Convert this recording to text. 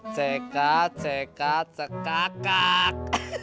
cekat cekat cekat cekat